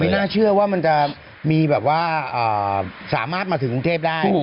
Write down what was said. น่าเชื่อว่ามันจะมีแบบว่าสามารถมาถึงกรุงเทพได้